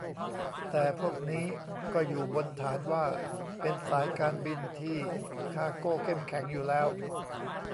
แต่พวกนี้ก็อยู่บนฐานว่าเป็นสายการบินที่คาร์โก้เข้มแข็งอยู่แล้ว